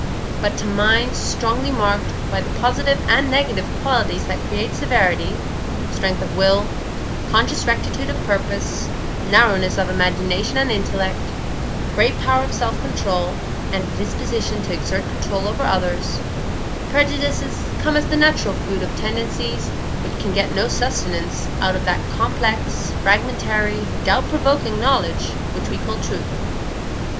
But to minds strongly marked by the positive and negative qualities that create severity,—strength of will, conscious rectitude of purpose, narrowness of imagination and intellect, great power of self control, and a disposition to exert control over others,—prejudices come as the natural food of tendencies which can get no sustenance out of that complex, fragmentary, doubt provoking knowledge which we call truth.